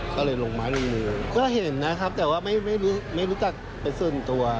ก็เลยลงไม้ลงมือก็เห็นนะครับแต่ว่าไม่ไม่รู้จักเป็นส่วนตัว